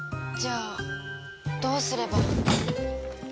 じゃあどうすれば？